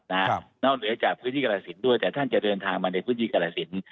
นอกเหนือจากพื้นที่กรสินด้วยแต่ท่านจะเดินทางมาในพื้นที่กรสิน